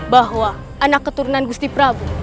bahwa anak keturunan gusti prabu